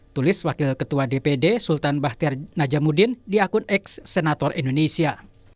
tulis wakil ketua dpd sultan bahtiar najamuddin di akun eks senator indonesia